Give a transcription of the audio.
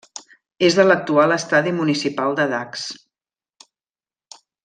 És de l'actual Estadi Municipal de Dacs.